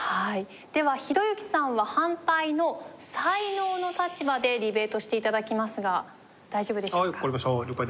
ではひろゆきさんは反対の才能の立場でディベートして頂きますが大丈夫でしょうか？